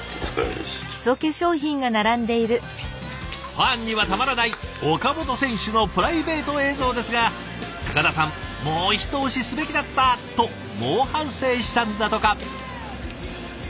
ファンにはたまらない岡本選手のプライベート映像ですが高田さんもう一押しすべきだったと猛反省したんだとか。